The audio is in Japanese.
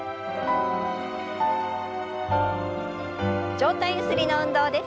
上体ゆすりの運動です。